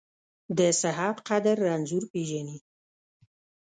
د صحت قدر رنځور پېژني .